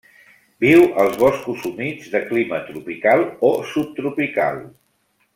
Viu als boscos humits de clima tropical o subtropical.